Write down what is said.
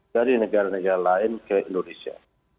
dari negara negara lain ke indonesia